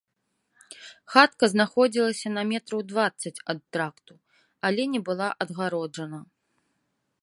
Хатка знаходзілася на метраў дваццаць ад тракту, але не была адгароджана.